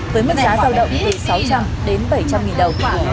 với mức giá giao động từ sáu trăm linh đến bảy trăm linh nghìn đồng